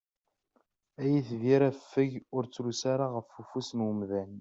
Ay itbir afeg ur ttrusu ara ɣef ufus n umdan!